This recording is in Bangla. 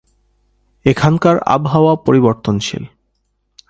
এখানকার আবহাওয়া পরিবর্তনশীল।